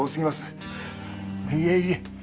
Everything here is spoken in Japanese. いえいえ。